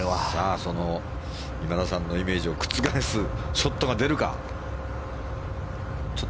その今田さんのイメージを覆すショットが出るか。